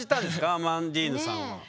アマンディーヌさんは。